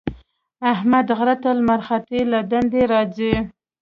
احمد غره ته لمر ختلی له دندې ارځي.